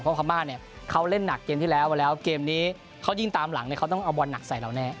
เพราะพม่าเนี่ยเขาเล่นหนักเกมที่แล้วมาแล้วเกมนี้เขายิงตามหลังเนี่ยเขาต้องเอาบอลหนักใส่เราแน่